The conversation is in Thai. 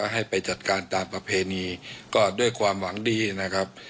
ให้ไปจัดการตามประเพณีก็ด้วยความหวังดีนะครับ